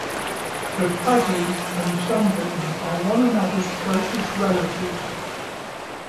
The kagu and sunbittern are one another's closest relatives.